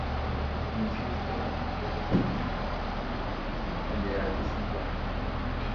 Inició su carrera como actor en Argentina a la edad de cinco años.